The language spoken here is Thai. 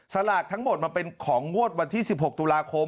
ลากทั้งหมดมันเป็นของงวดวันที่๑๖ตุลาคม